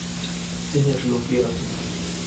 তিনি এটা লুকিয়ে রাখেন।